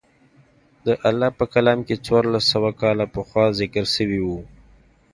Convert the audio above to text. د الله په کلام کښې څوارلس سوه کاله پخوا ذکر سوي وو.